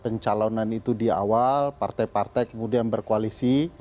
pencalonan itu di awal partai partai kemudian berkoalisi